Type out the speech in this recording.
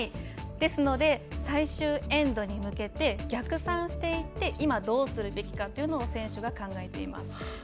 ですので最終エンドに向けて逆算していって今、どうするべきかというのを選手が考えています。